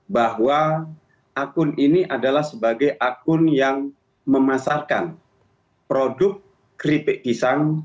bahwa akun ini adalah sebagai akun yang memasarkan produk keripik pisang